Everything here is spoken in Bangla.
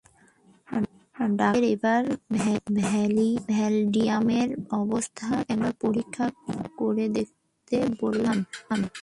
ডাক্তারদের এবার ভ্যালডিমারের অবস্থাটা একবার পরীক্ষা করে দেখতে বললাম।